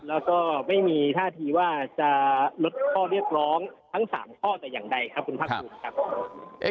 แล้วก็ไม่มีท่าทีว่าจะลดข้อเรียกร้องทั้ง๓ข้อแต่อย่างใดครับคุณภาคภูมิครับ